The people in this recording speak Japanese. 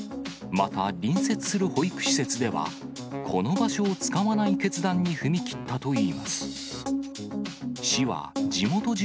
また、隣接する保育施設では、この場所を使わない決断に踏み切ったといいます。